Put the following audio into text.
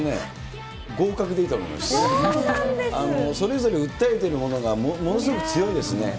それぞれ訴えてるものがものすごく強いですね。